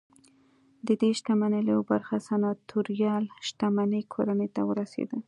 ددې شتمنۍ لویه برخه سناتوریال شتمنۍ کورنۍ ته ورسېده